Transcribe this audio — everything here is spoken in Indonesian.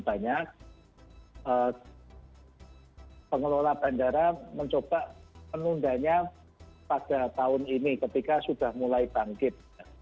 dan banyak pengelola bandara mencoba menundanya pada tahun ini ketika sudah mulai bangkit